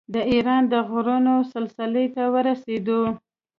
د ایران د غرونو سلسلې ته ورسېدو.